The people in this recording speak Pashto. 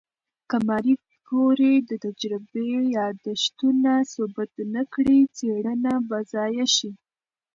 که ماري کوري د تجربې یادښتونه ثبت نه کړي، څېړنه به ضایع شي.